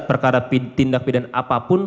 perkara tindak pidana apapun